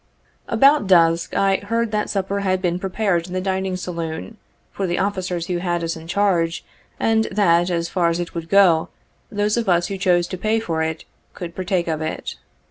About dusk I heard that supper had been prepared in the dining saloon, for the officers who had us in charge, and that, as far as it would go, those of us who chose to pay for it, could partake of it.